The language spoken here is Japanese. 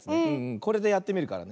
これでやってみるからね。